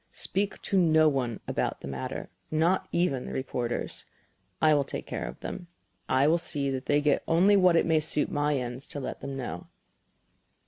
Speak to no one about the matter, not even the reporters. I will take care of them; I will see that they get only what it may suit my ends to let them know."